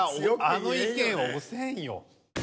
あの意見は押せんよ。